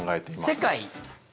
世界？